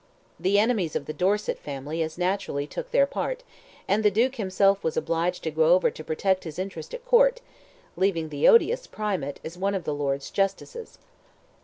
The enemies of the Dorset family as naturally took their part, and the duke himself was obliged to go over to protect his interest at court, leaving the odious Primate as one of the Lords Justices.